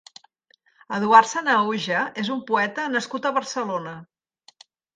Eduard Sanahuja és un poeta nascut a Barcelona.